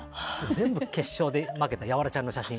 全部決勝で負けたヤワラちゃんの写真。